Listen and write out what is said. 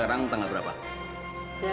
sekarang tanggal berapa